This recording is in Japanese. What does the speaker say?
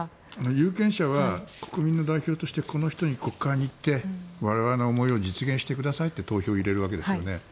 有権者は国民の代表としてこの人に国会に行って我々の思いを実現してくださいと投票を入れるわけですよね。